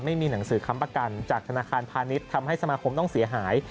ไม่มีหนังสือค้ำประกันจากธนาคารพาณิชย์ทำให้สมาคมต้องเสียหาย